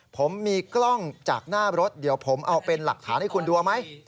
ผมมีกล้องจากหน้ารถเดี๋ยวผมเอาเป็นหลักฐานให้คุณดูเอาไหม